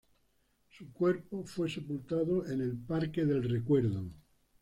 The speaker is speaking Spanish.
Su cuerpo fue sepultado en el Parque del Recuerdo.